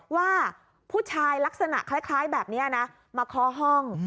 ว่าผู้ชายลักษณะคล้ายแบบนี้นะมาเคาะห้อง